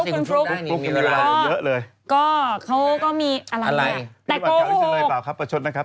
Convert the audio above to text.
คุณฟลุ๊กคุณฟลุ๊กก็ก็เขาก็มีอะไรเนี่ยแต่โกหกคุณฟลุ๊กคุณฟลุ๊กได้นิดนึงมีเวลาเยอะเลย